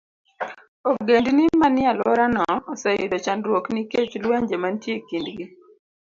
Ogendini manie alworano oseyudo chandruok nikech lwenje mantie e kindgi.